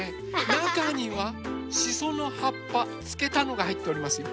なかにはしそのはっぱつけたのがはいっておりますよ。